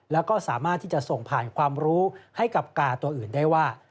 แล้วก็สามารถที่จะส่งผ่านความรู้ให้กับกาตัวอื่นได้ว่า